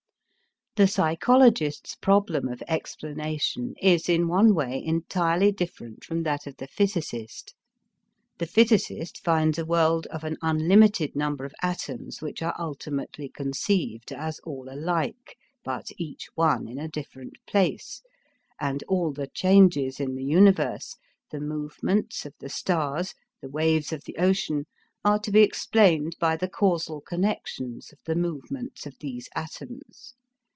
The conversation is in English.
The psychologist's problem of explanation is in one way entirely different from that of the physicist. The physicist finds a world of an unlimited number of atoms which are ultimately conceived as all alike, but each one in a different place, and all the changes in the universe, the movements of the stars, the waves of the ocean, are to be explained by the causal connections of the movements of these atoms.